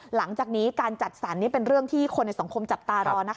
หลังจากนี้การจัดสรรนี่เป็นเรื่องที่คนในสังคมจับตารอนะคะ